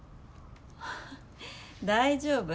大丈夫。